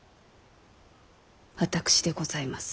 私でございます。